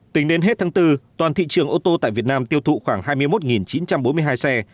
tính đến hết tháng bốn toàn thị trường ô tô tại việt nam tiêu thụ khoảng hai mươi một chín trăm bốn mươi hai xe